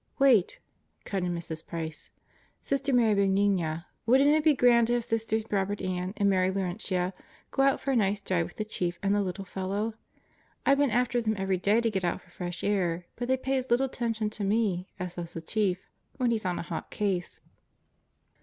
"Wait," cut in Mrs. Price. "Sister Benigna, wouldn't it be grand to have Sisters Robert Ann and Mary Laurentia go out for a nice drive with the Chief and the little fellow? I've been after them every day to get out for fresh air; but they pay as little attention to me as does the Chief when he's on a hot case."